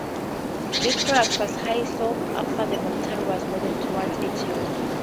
This product was high sought after as the military was moving towards its use.